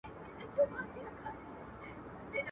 o جنگ چي نه کوي، لو ډبره اخلي.